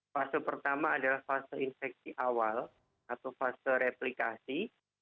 fase pertama adalah fase infeksi awal atau fase replikasi